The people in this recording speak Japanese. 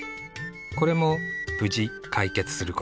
これも無事解決することができた。